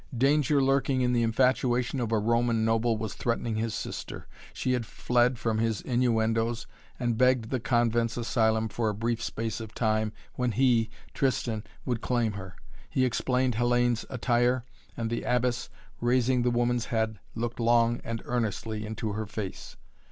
Danger lurking in the infatuation of a Roman noble was threatening his sister. She had fled from his innuendos and begged the convent's asylum for a brief space of time, when he, Tristan, would claim her. He explained Hellayne's attire, and the Abbess, raising the woman's head, looked long and earnestly into her face.